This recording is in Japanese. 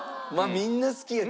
みんな好きやけど。